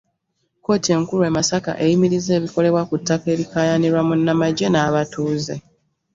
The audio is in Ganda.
Kkooti enkulu e Masaka eyimirizza ebikolebwa ku ttaka erikaayanirwa munnamagye n'abatuuze